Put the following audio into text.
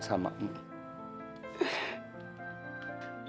jangan tinggalin luki bebe